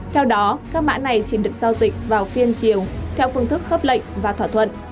theo đó các mã này chỉ được giao dịch vào phiên chiều theo phương thức khớp lệnh và thỏa thuận